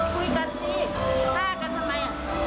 คุยกันสิฆ่ากันทำไม